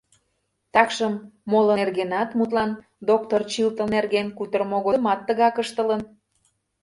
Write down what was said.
Такшым моло нергенат, мутлан, доктыр Чилтон нерген, кутырымо годымат тыгак ыштылын.